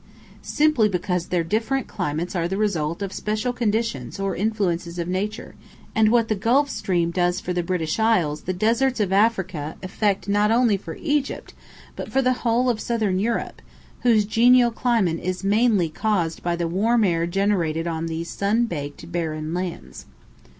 Simply because their different climates are the result of special conditions or influences of Nature, and what the Gulf Stream does for the British Isles the deserts of Africa effect not only for Egypt, but for the whole of Southern Europe, whose genial climate is mainly caused by the warm air generated on these sun baked barren lands.